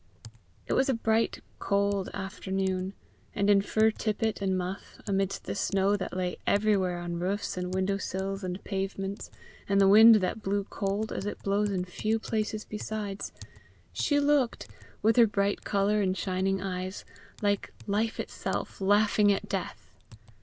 It was a bright cold afternoon; and in fur tippet and muff, amidst the snow that lay everywhere on roofs and window sills and pavements, and the wind that blew cold as it blows in few places besides, she looked, with her bright colour and shining eyes, like life itself laughing at death.